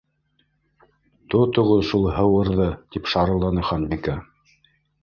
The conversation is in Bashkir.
—Тотоғоҙ шул һыуырҙы! —тип шарылданы Ханбикә.